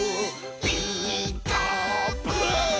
「ピーカーブ！」